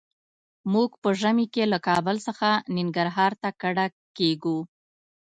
موږ په ژمي کې له کابل څخه ننګرهار ته کډه کيږو.